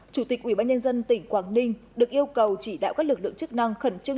chủ tịch ủy ban nhân dân tỉnh quảng ninh được yêu cầu chỉ đạo các lực lượng chức năng khẩn trương